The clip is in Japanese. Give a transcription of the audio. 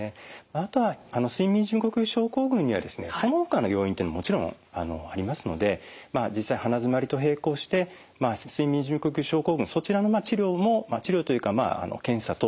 あとは睡眠時無呼吸症候群にはですねそのほかの要因というのももちろんありますので実際鼻づまりと並行して睡眠時無呼吸症候群そちらの治療も治療というか検査等ですよね